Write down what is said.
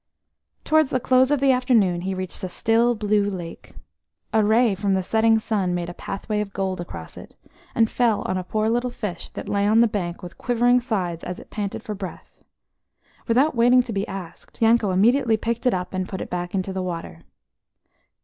Towards the close of the afternoon he reached a still, blue lake. A ray from the setting sun made a pathway of gold across it, and fell on a poor little fish that lay on the bank with quivering sides as it panted for breath. Without waiting to be asked, Yanko immediately picked it up, and put it back into the water.